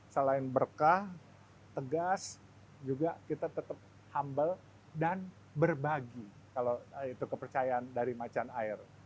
selain berkah tegas juga kita tetap humble dan berbagi kalau itu kepercayaan dari macan air